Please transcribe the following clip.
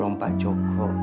saya mau pergi ke rumah